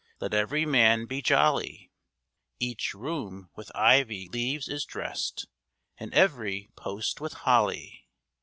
Let every man be jolly, Eache roome with yvie leaves is drest, And every post with holly.